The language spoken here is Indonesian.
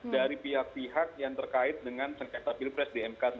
dari pihak pihak yang terkait dengan sengketa pilpres